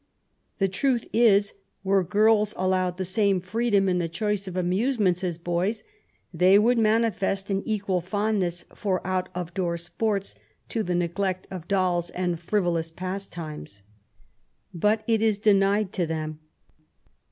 The truth is, were girls allowed the same freedom in the choice of amusements as boys, they would manifest an equal fondness for out of door sports, to the neglect of dolls and frivolous pastimes. But it is denied to them.